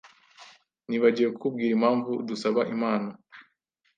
Nibagiwe kukubwira impamvu dusaba impano.